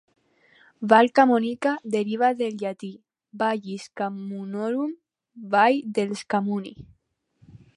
"Val Camonica" deriva del llatí "Vallis Camunnorum", "Vall dels Camunni".